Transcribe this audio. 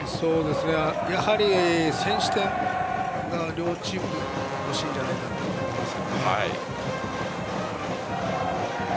やはり先取点が両チーム欲しいんじゃないかと思います。